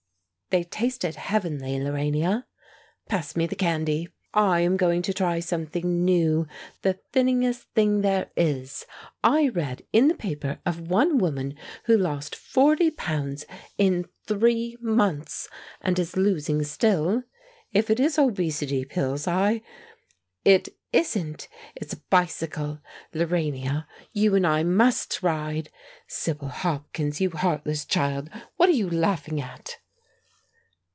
"They tasted heavenly, Lorania. Pass me the candy. I am going to try something new the thinningest thing there is. I read in the paper of one woman who lost forty pounds in three months, and is losing still!" "If it is obesity pills, I " "It isn't; it's a bicycle. Lorania, you and I must ride! Sibyl Hopkins, you heartless child, what are you laughing at?"